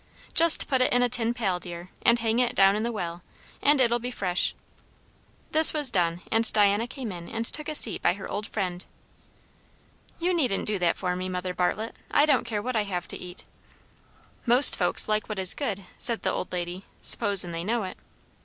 Just put it in a tin pail, dear, and hang it down in the well; and it'll be fresh." This was done, and Diana came in and took a seat by her old friend. "You needn't do that for me, Mother Bartlett. I don't care what I have to eat." "Most folks like what is good," said the old lady; "suppos'n they know it."